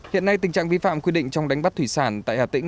hiện nay tình trạng vi phạm quy định trong đánh bắt thủy sản tại hà tĩnh